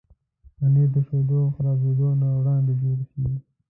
پنېر د شیدو خرابېدو نه وړاندې جوړ شي.